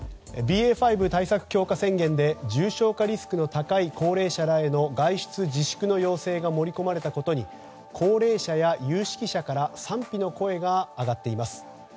ＢＡ．５対策強化宣言で重症化リスクの高い高齢者らへの外出自粛の要請が盛り込まれたことに高齢者や有識者から賛否の声が上がっています。